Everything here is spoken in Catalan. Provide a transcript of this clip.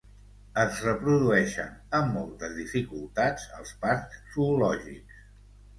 Es reprodueixen amb moltes dificultats als parcs zoològics.